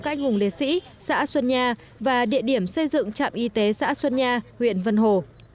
các anh hùng liệt sĩ xã xuân nha và địa điểm xây dựng trạm y tế xã xuân nha huyện vân hồ